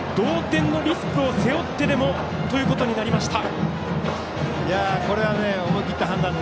同点のリスクを背負ってでもということになりました。